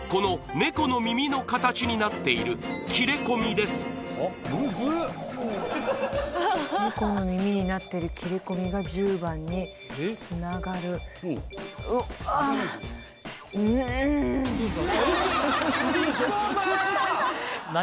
ネコの耳になってる切れ込みが１０番につながる嘘だ！？